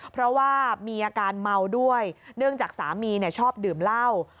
เพราะว่ามีอาการเมาด้วยเนื่องจากสามีชอบดื่มเหล้า